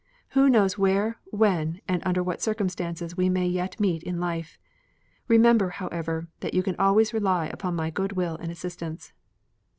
Who knows where, when, and under what circumstances we may yet meet in life. Remember, however, that you can always rely upon my good will and assistance."